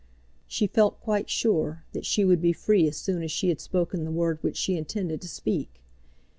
She felt quite sure that she would be free as soon as she had spoken the word which she intended to speak.